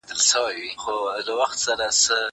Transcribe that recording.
هغه څوک چي قلم کاروي پوهه زياتوي!؟